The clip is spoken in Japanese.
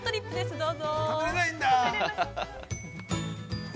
どうぞ。